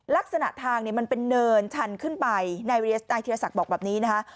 ลักษณะทางเนี่ยมันเป็นเนินชันขึ้นไปนายธีรศักดิ์บอกแบบนี้นะคะ